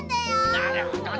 なるほどね。